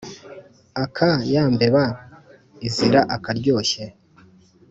Aka ya mbeba izira akaryoshye.